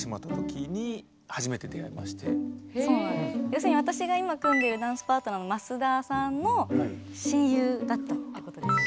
要するに私が今組んでるダンスパートナーの増田さんの親友だったってことです。